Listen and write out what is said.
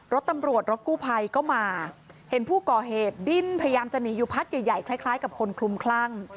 รถตำรวจรถกู้ภัยก็มาเห็นผู้ก่อเหตุดิ้นพยายามจะหนีอยู่พักใหญ่ใหญ่คล้ายกับคนคลุมคลั่ง